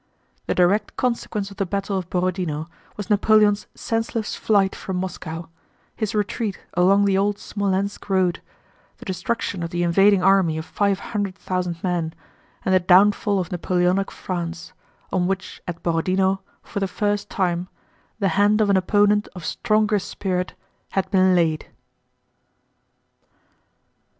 The direct consequence of the battle of Borodinó was Napoleon's senseless flight from Moscow, his retreat along the old Smolénsk road, the destruction of the invading army of five hundred thousand men, and the downfall of Napoleonic France, on which at Borodinó for the first time the hand of an opponent of stronger spirit had been laid.